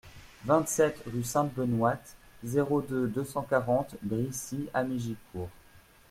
vingt-sept rue Sainte-Benoite, zéro deux, deux cent quarante Brissy-Hamégicourt